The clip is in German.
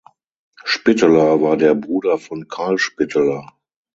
Spitteler war der Bruder von Carl Spitteler.